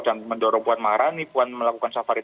dan mendorong puan maharani puan melakukan safari